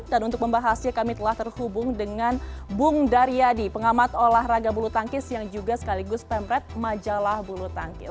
dan untuk membahasnya kami telah terhubung dengan bung daryadi pengamat olahraga bulu tangkis yang juga sekaligus pemerintah majalah bulu tangkis